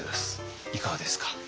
いかがですか？